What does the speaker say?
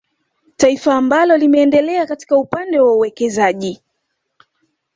Taifa amabalo limeendelea katika upande wa uwekezaji